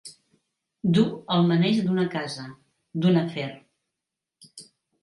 Dur el maneig d'una casa, d'un afer.